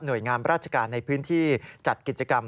โดยงามราชการในพื้นที่จัดกิจกรรม